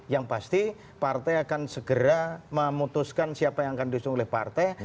yang pasti partai akan segera memutuskan siapa yang akan diusung oleh partai